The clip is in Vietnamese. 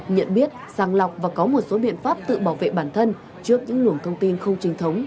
nhận biết sàng lọc và có một số biện pháp tự bảo vệ bản thân trước những luồng thông tin không chính thống